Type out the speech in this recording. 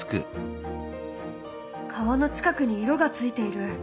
川の近くに色がついている。